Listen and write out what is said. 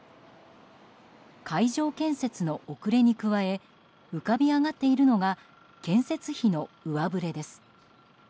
会場建設の遅れに加え浮かび上がっているのが建設費の上振れです。